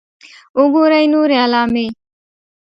.وګورئ نورې علامې